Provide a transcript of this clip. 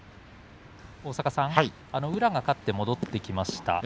宇良が勝って戻ってきました。